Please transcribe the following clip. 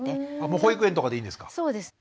もう保育園とかでいいんですか？